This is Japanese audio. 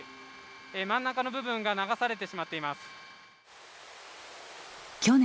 真ん中の部分が流されてしまっています。